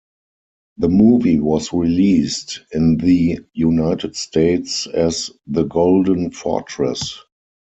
The movie was released in the United States as The Golden Fortress.